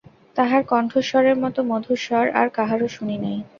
তাঁহার কণ্ঠস্বরের মত মধুর স্বর আর কাহারও শুনি নাই।